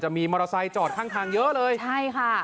จะมีมอเตอร์ไซค์จอดข้างเยอะเลย